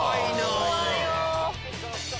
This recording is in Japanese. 怖いよ。